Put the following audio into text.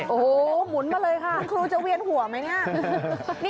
โอ้โหหมุนมาเลยค่ะคุณครูจะเวียนหัวไหมเนี่ย